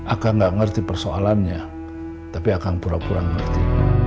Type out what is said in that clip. akang gak ngerti persoalannya tapi akang pura pura ngerti